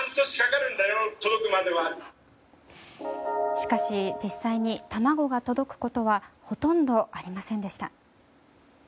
しかし、実際に卵が届くことはほとんどありませんでした。